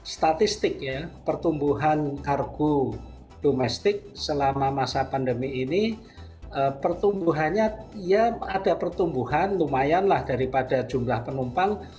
statistik ya pertumbuhan kargo domestik selama masa pandemi ini pertumbuhannya ya ada pertumbuhan lumayan lah daripada jumlah penumpang